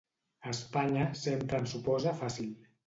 Espanya sempre ens ho posa fàcil.